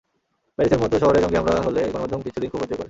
প্যারিসের মতো শহরে জঙ্গি হামলা হলে গণমাধ্যম কিছুদিন খুব হইচই করে।